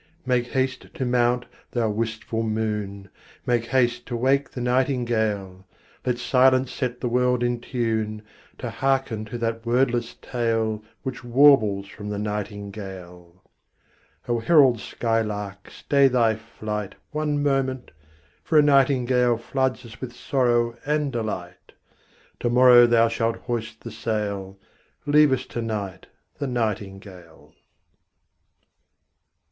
Make haste to mount, thou wistful moon, Make haste to wake the nightingale: Let silence set the world in tune To hearken to that wordless tale Which warbles from the nightingale O herald skylark, stay thy flight One moment, for a nightingale Floods us with sorrow and delight. To morrow thou shalt hoist the sail; Leave us to night the nightingale.